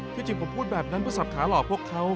จริงผมพูดแบบนั้นเพื่อสับขาหลอกพวกเขา